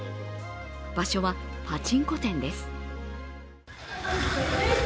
場所は、パチンコ店です。